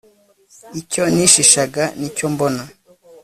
icyo nishishaga ni cyo mbona